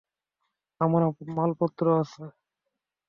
আমার মালপত্র আছে।